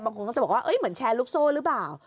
บางคนก็จะบอกว่าเหมือนแชร์ลูกโซ่หรือเปล่า